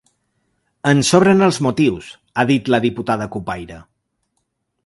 En sobren els motius, ha dit la diputada cupaire.